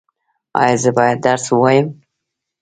ایا زه باید درس ووایم؟